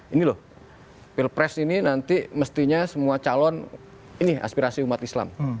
ini loh pilpres ini nanti mestinya semua calon ini aspirasi umat islam